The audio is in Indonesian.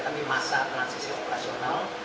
tapi masa transisi operasional